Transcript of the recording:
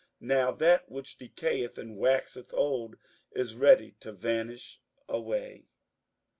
Now that which decayeth and waxeth old is ready to vanish away.